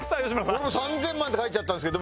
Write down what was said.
俺も３０００万って書いちゃったんですけど